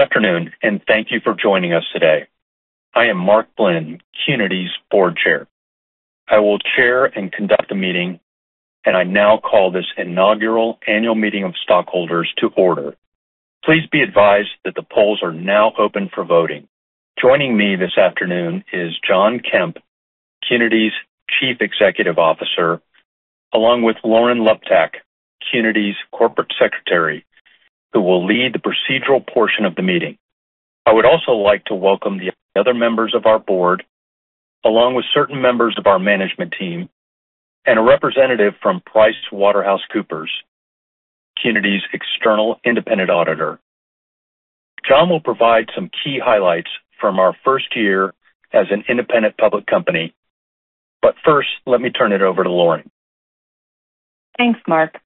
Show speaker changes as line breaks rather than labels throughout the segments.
Afternoon. Thank you for joining us today. I am Mark Blinn, Qnity Electronics's Board Chair. I will chair and conduct the meeting. I now call this inaugural annual meeting of stockholders to order. Please be advised that the polls are now open for voting. Joining me this afternoon is Jon Kemp, Qnity Electronics's Chief Executive Officer, along with Lauren Luptak, Qnity's Corporate Secretary, who will lead the procedural portion of the meeting. I would also like to welcome the other members of our board, along with certain members of our management team and a representative from PricewaterhouseCoopers, Qnity Electronics's external independent auditor. Jon will provide some key highlights from our first year as an independent public company. First, let me turn it over to Lauren.
Thanks, Mark.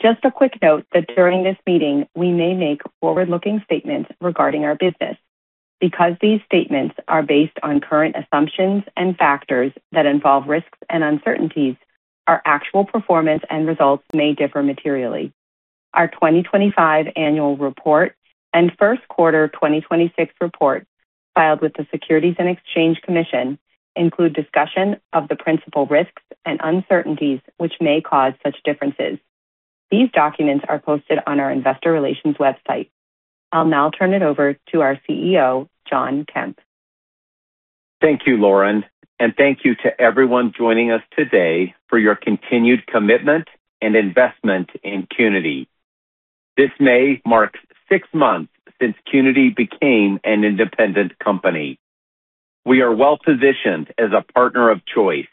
Just a quick note that during this meeting, we may make forward-looking statements regarding our business. Because these statements are based on current assumptions and factors that involve risks and uncertainties, our actual performance and results may differ materially. Our 2025 annual report and first quarter 2026 report, filed with the Securities and Exchange Commission, include discussion of the principal risks and uncertainties which may cause such differences. These documents are posted on our investor relations website. I'll now turn it over to our CEO, Jon Kemp.
Thank you, Lauren, and thank you to everyone joining us today for your continued commitment and investment in Qnity. This May marks six months since Qnity became an independent company. We are well-positioned as a partner of choice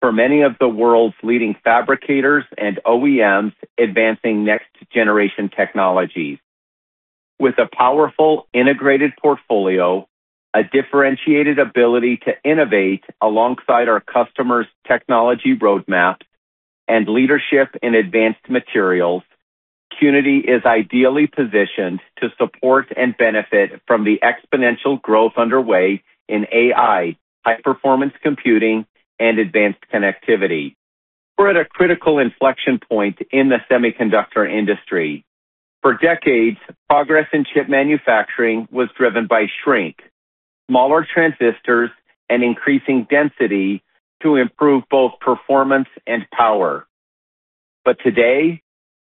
for many of the world's leading fabricators and OEMs advancing next-generation technologies. With a powerful integrated portfolio, a differentiated ability to innovate alongside our customers' technology roadmap, and leadership in advanced materials, Qnity is ideally positioned to support and benefit from the exponential growth underway in AI, high-performance computing, and advanced connectivity. We're at a critical inflection point in the semiconductor industry. For decades, progress in chip manufacturing was driven by shrink, smaller transistors, and increasing density to improve both performance and power. Today,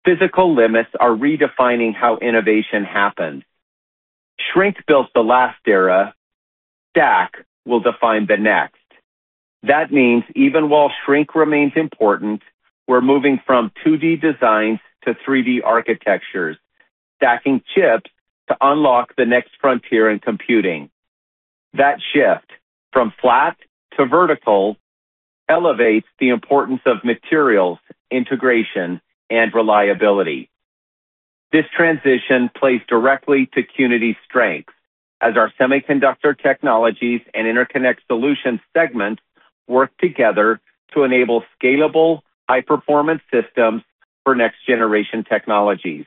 physical limits are redefining how innovation happens. Shrink built the last era. Stack will define the next. That means even while shrink remains important, we're moving from 2D designs to 3D architectures, stacking chips to unlock the next frontier in computing. That shift from flat to vertical elevates the importance of materials, integration, and reliability. This transition plays directly to Qnity's strengths as our semiconductor technologies and interconnect solutions segments work together to enable scalable high-performance systems for next-generation technologies.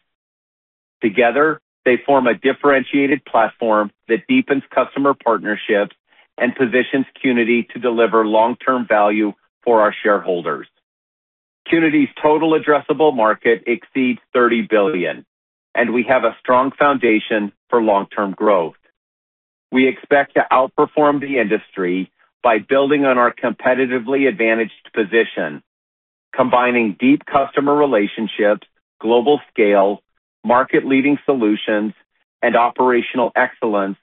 Together, they form a differentiated platform that deepens customer partnerships and positions Qnity to deliver long-term value for our shareholders. Qnity's total addressable market exceeds $30 billion, and we have a strong foundation for long-term growth. We expect to outperform the industry by building on our competitively advantaged position, combining deep customer relationships, global scale, market-leading solutions, and operational excellence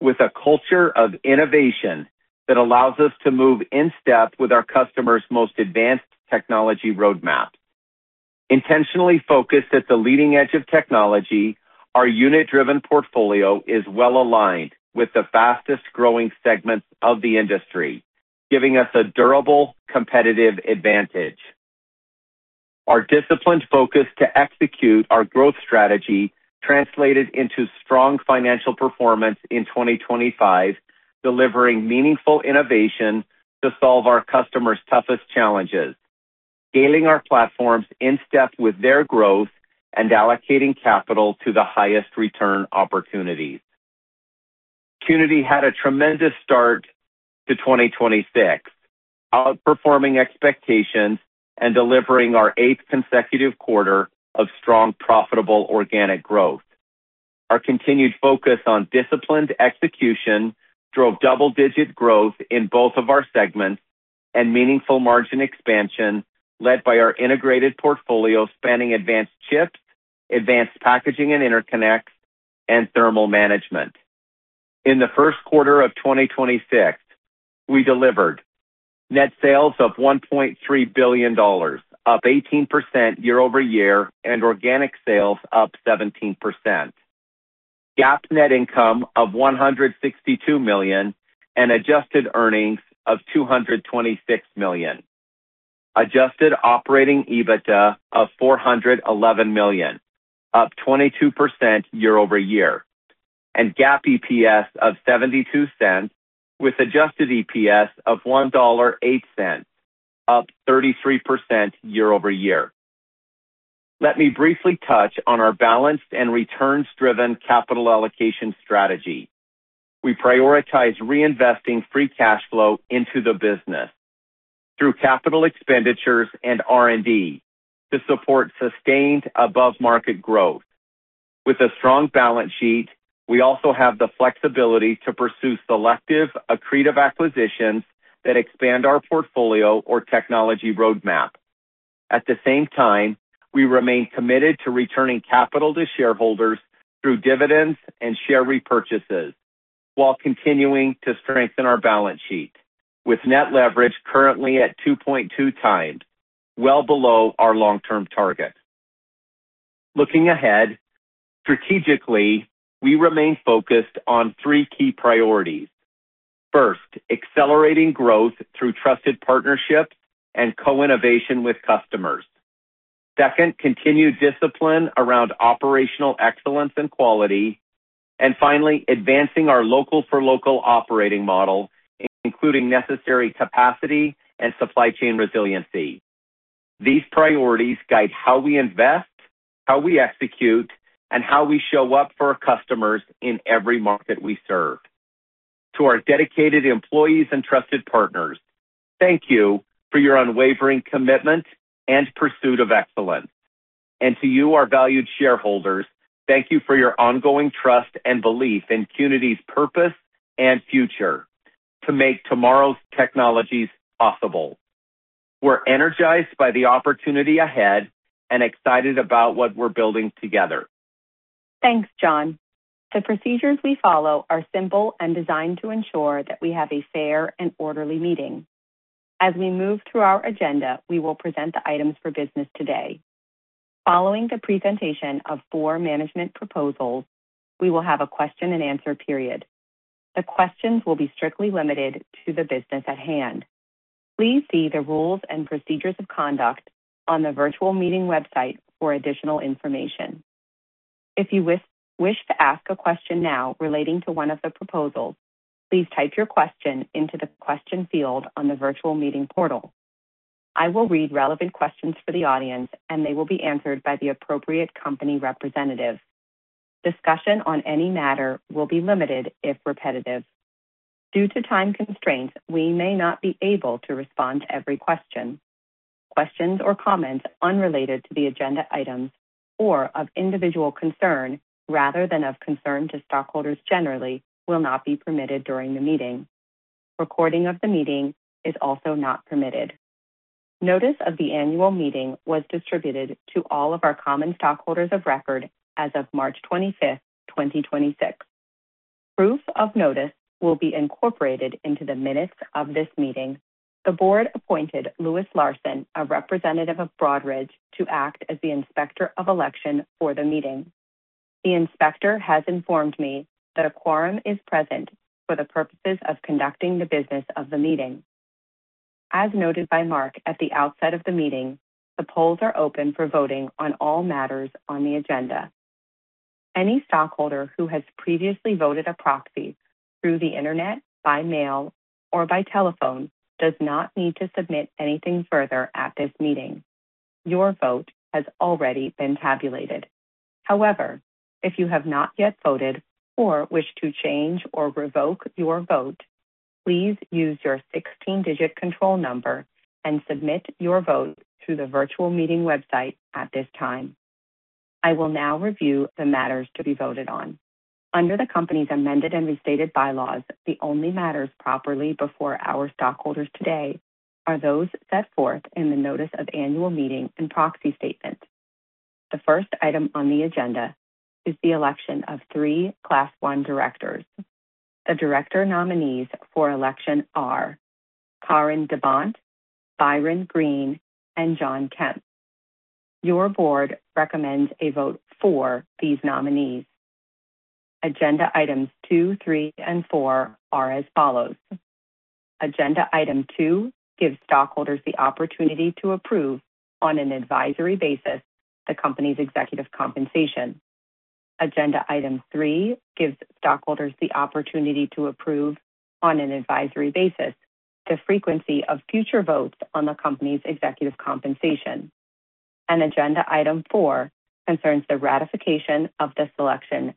with a culture of innovation that allows us to move in step with our customers' most advanced technology roadmap. Intentionally focused at the leading edge of technology, our unit-driven portfolio is well-aligned with the fastest-growing segments of the industry, giving us a durable competitive advantage. Our disciplined focus to execute our growth strategy translated into strong financial performance in 2025, delivering meaningful innovation to solve our customers' toughest challenges, scaling our platforms in step with their growth, and allocating capital to the highest return opportunities. Qnity had a tremendous start to 2026, outperforming expectations and delivering our eighth consecutive quarter of strong, profitable organic growth. Our continued focus on disciplined execution drove double-digit growth in both of our segments and meaningful margin expansion, led by our integrated portfolio spanning advanced chips, advanced packaging and interconnect, and thermal management. In the first quarter of 2026, we delivered net sales of $1.3 billion, up 18% year-over-year, and organic sales up 17%, GAAP net income of $162 million and adjusted earnings of $226 million, adjusted operating EBITDA of $411 million, up 22% year-over-year, and GAAP EPS of $0.72 with Adjusted EPS of $1.08, up 33% year-over-year. Let me briefly touch on our balanced and returns-driven capital allocation strategy. We prioritize reinvesting free cash flow into the business through capital expenditures and R&D to support sustained above-market growth. With a strong balance sheet, we also have the flexibility to pursue selective, accretive acquisitions that expand our portfolio or technology roadmap. At the same time, we remain committed to returning capital to shareholders through dividends and share repurchases while continuing to strengthen our balance sheet with net leverage currently at 2.2 times, well below our long-term target. Looking ahead, strategically, we remain focused on three key priorities. First, accelerating growth through trusted partnerships and co-innovation with customers. Second, continued discipline around operational excellence and quality. Finally, advancing our local-for-local operating model, including necessary capacity and supply chain resiliency. These priorities guide how we invest, how we execute, and how we show up for our customers in every market we serve. To our dedicated employees and trusted partners, thank you for your unwavering commitment and pursuit of excellence. To you, our valued shareholders, thank you for your ongoing trust and belief in Qnity's purpose and future to make tomorrow's technologies possible. We're energized by the opportunity ahead and excited about what we're building together.
Thanks, Jon. The procedures we follow are simple and designed to ensure that we have a fair and orderly meeting. As we move through our agenda, we will present the items for business today. Following the presentation of four management proposals, we will have a question and answer period. The questions will be strictly limited to the business at hand. Please see the rules and procedures of conduct on the virtual meeting website for additional information. If you wish to ask a question now relating to one of the proposals, please type your question into the question field on the virtual meeting portal. I will read relevant questions for the audience, and they will be answered by the appropriate company representative. Discussion on any matter will be limited if repetitive. Due to time constraints, we may not be able to respond to every question. Questions or comments unrelated to the agenda items or of individual concern rather than of concern to stockholders generally will not be permitted during the meeting. Recording of the meeting is also not permitted. Notice of the annual meeting was distributed to all of our common stockholders of record as of March 25th, 2026. Proof of notice will be incorporated into the minutes of this meeting. The board appointed Lewis Larsen, a representative of Broadridge, to act as the inspector of election for the meeting. The inspector has informed me that a quorum is present for the purposes of conducting the business of the meeting. As noted by Mark at the outset of the meeting, the polls are open for voting on all matters on the agenda. Any stockholder who has previously voted a proxy through the internet, by mail, or by telephone does not need to submit anything further at this meeting. Your vote has already been tabulated. However, if you have not yet voted or wish to change or revoke your vote, please use your 16-digit control number and submit your vote through the virtual meeting website at this time. I will now review the matters to be voted on. Under the company's amended and restated bylaws, the only matters properly before our stockholders today are those set forth in the Notice of Annual Meeting and Proxy Statement. The first item on the agenda is the election of three Class I directors. The director nominees for election are Karin De Bondt, Byron Green, and Jon Kemp. Your board recommends a vote for these nominees. Agenda items two, three, and four are as follows. Agenda item two gives stockholders the opportunity to approve, on an advisory basis, the company's executive compensation. Agenda item three gives stockholders the opportunity to approve, on an advisory basis, the frequency of future votes on the company's executive compensation. Agenda item four concerns the ratification of the selection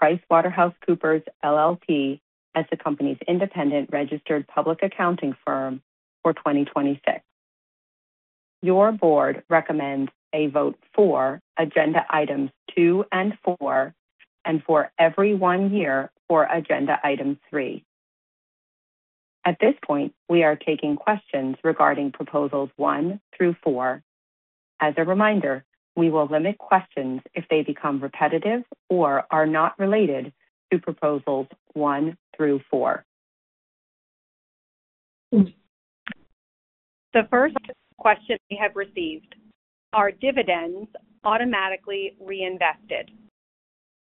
of PricewaterhouseCoopers LLP as the company's independent registered public accounting firm for 2026. Your board recommends a vote for agenda items two and four, and for every one year for agenda item three. At this point, we are taking questions regarding proposals one through four. As a reminder, we will limit questions if they become repetitive or are not related to proposals one through four. The first question we have received: Are dividends automatically reinvested?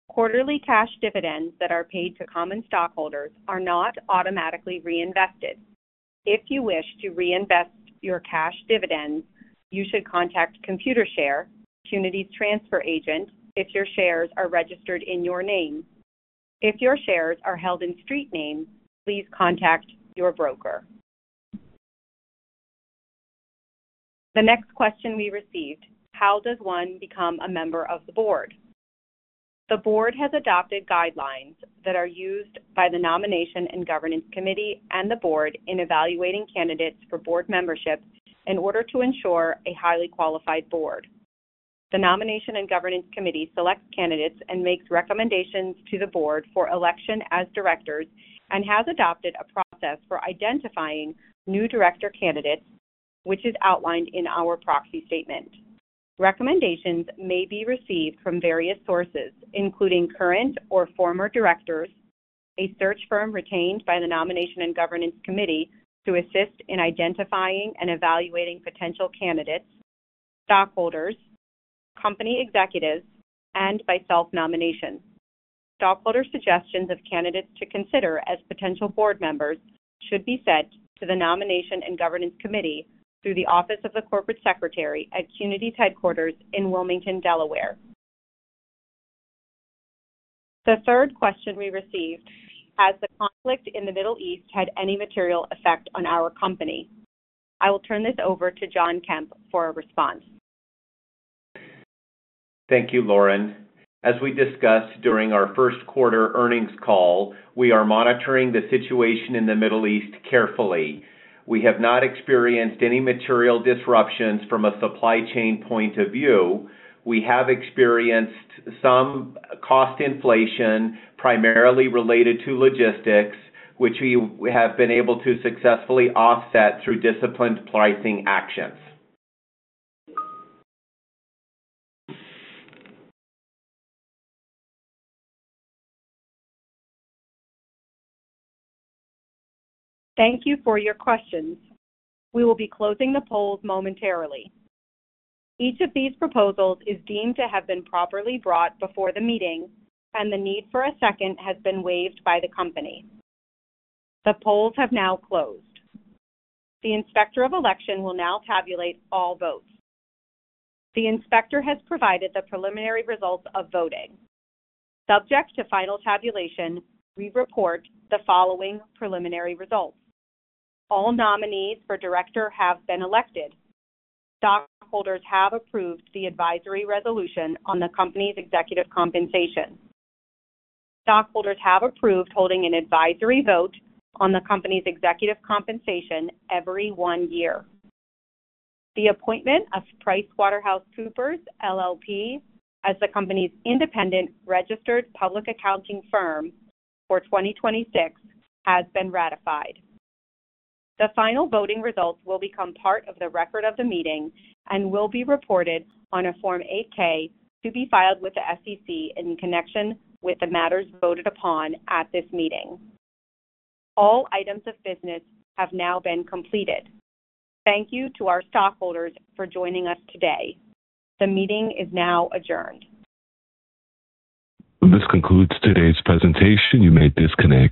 Quarterly cash dividends that are paid to common stockholders are not automatically reinvested. If you wish to reinvest your cash dividends, you should contact Computershare, Qnity's transfer agent, if your shares are registered in your name. If your shares are held in street name, please contact your broker. The next question we received: how does one become a member of the board? The board has adopted guidelines that are used by the Nomination and Governance Committee and the board in evaluating candidates for board membership in order to ensure a highly qualified board. The Nomination and Governance Committee selects candidates and makes recommendations to the board for election as directors and has adopted a process for identifying new director candidates, which is outlined in our proxy statement. Recommendations may be received from various sources, including current or former directors, a search firm retained by the Nomination and Governance Committee to assist in identifying and evaluating potential candidates, stockholders, company executives, and by self-nomination. Stockholder suggestions of candidates to consider as potential board members should be sent to the Nomination and Governance Committee through the office of the corporate secretary at Qnity's headquarters in Wilmington, Delaware. The third question we received: Has the conflict in the Middle East had any material effect on our company? I will turn this over to Jon Kemp for a response.
Thank you, Lauren. As we discussed during our first quarter earnings call, we are monitoring the situation in the Middle East carefully. We have not experienced any material disruptions from a supply chain point of view. We have experienced some cost inflation, primarily related to logistics, which we have been able to successfully offset through disciplined pricing actions.
Thank you for your questions. We will be closing the polls momentarily. Each of these proposals is deemed to have been properly brought before the meeting, and the need for a second has been waived by the company. The polls have now closed. The inspector of election will now tabulate all votes. The inspector has provided the preliminary results of voting. Subject to final tabulation, we report the following preliminary results. All nominees for director have been elected. Stockholders have approved the advisory resolution on the company's executive compensation. Stockholders have approved holding an advisory vote on the company's executive compensation every one year. The appointment of PricewaterhouseCoopers LLP as the company's independent registered public accounting firm for 2026 has been ratified. The final voting results will become part of the record of the meeting and will be reported on a Form 8-K to be filed with the SEC in connection with the matters voted upon at this meeting. All items of business have now been completed. Thank you to our stockholders for joining us today. The meeting is now adjourned.
This concludes today's presentation. You may disconnect.